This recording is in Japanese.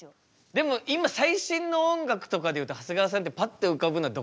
でも今最新の音楽とかでいうと長谷川さんってパッて浮かぶのはどこら辺が最新。